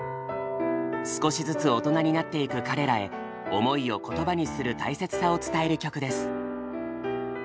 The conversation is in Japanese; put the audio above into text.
少しずつ大人になっていく彼らへ思いを言葉にする大切さを伝える曲です。